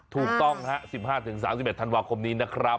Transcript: ถึง๓๑ธันวาคมเลยนะคะถูกต้องฮะ๑๕๓๑ธันวาคมนี้นะครับ